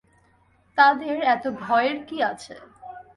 তাদের এত ভয়ের কী আছে?